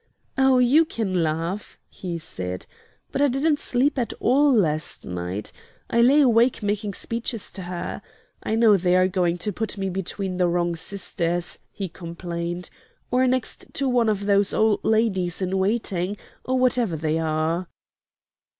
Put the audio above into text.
"Oh, you can laugh," he said, "but I didn't sleep at all last night. I lay awake making speeches to her. I know they are going to put me between the wrong sisters," he complained, "or next to one of those old ladies in waiting, or whatever they are."